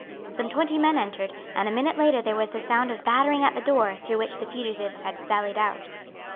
Some twenty men entered, and a minute later there was the sound of battering at the door through which the fugitives had sallied out.